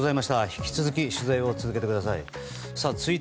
引き続き取材を続けてください。